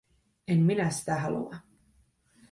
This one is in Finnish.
En minä sitä halua.